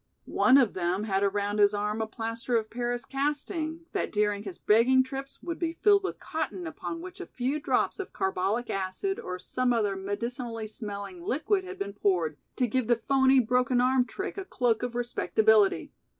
One of them had around his arm a plaster of Paris casting, that during his begging trips would be filled with cotton upon which a few drops of carbolic acid or some other "medicinally" smelling liquid had been poured, to give the "phoney" broken arm trick a cloak of respectability.